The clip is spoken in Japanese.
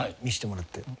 見せてもらって。